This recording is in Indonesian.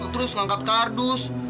terus ngangkat kardus